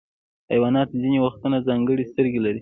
حیوانات ځینې وختونه ځانګړي سترګې لري.